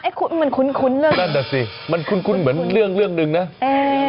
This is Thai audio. คุณมันคุ้นคุ้นเรื่องนั่นน่ะสิมันคุ้นคุ้นเหมือนเรื่องเรื่องหนึ่งนะเออ